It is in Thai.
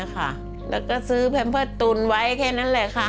แล้วก็ซื้อแพมเพิร์ตตูนไว้แค่นั้นแหละค่ะ